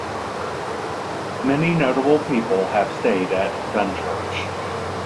Many notable people have stayed at Dunchurch.